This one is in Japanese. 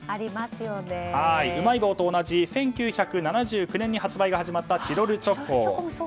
うまい棒と同じ１９７９年に発売が始まったチロルチョコ。